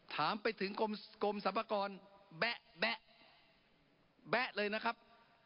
ถามไปถึงกรมสรรพากรแบ๊ะแบ๊ะเลยนะครับ